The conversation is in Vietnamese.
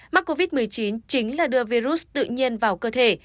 mắc covid một mươi chín chính là đưa virus tự nhiên vào cơ thể